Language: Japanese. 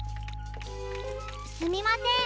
すみません。